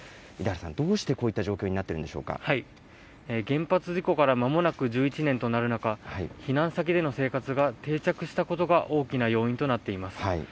出原さん、どうしてこういった状原発事故からまもなく１１年となる中、避難先での生活が定着したことが大きな要因となっています。